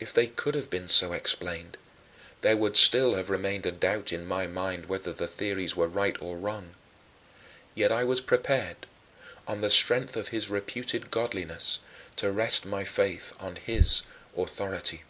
If they could have been so explained, there would still have remained a doubt in my mind whether the theories were right or wrong. Yet I was prepared, on the strength of his reputed godliness, to rest my faith on his authority.